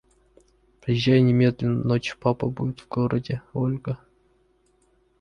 Приезжай немедленно ночью папа будет в городе Ольга.